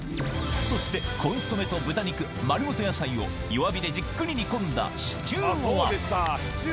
そしてコンソメと豚肉丸ごと野菜を弱火でじっくり煮込んだシチューは？